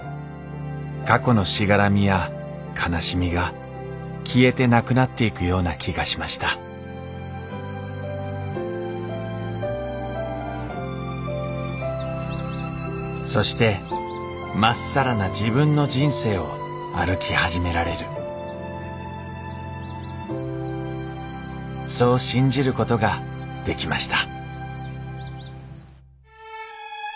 過去のしがらみや悲しみが消えてなくなっていくような気がしましたそして真っさらな自分の人生を歩き始められるそう信じることができました